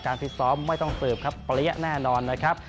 ฟิตซ้อมไม่ต้องสืบครับเปรี้ยแน่นอนนะครับ